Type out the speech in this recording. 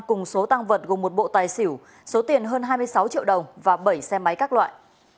cùng số tăng vật gồm một bộ tài xỉu số tiền hơn hai mươi sáu triệu đồng và bảy xe máy các loại